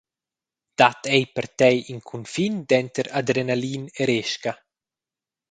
Dat ei per Tei in cunfin denter adrenalin e resca?